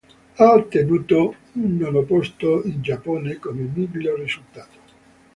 Ha ottenuto un nono posto in Giappone come miglior risultato.